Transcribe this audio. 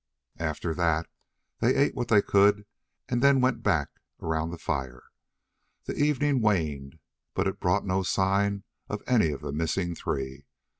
After that, they ate what they could and then went back around the fire. The evening waned, but it brought no sign of any of the missing three.